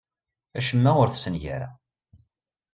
Acemma ur t-ssengareɣ.